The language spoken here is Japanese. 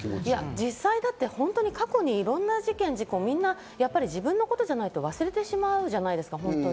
実際だって過去にいろんな事件・事故、自分のことじゃないと忘れてしまうじゃないですか、本当に。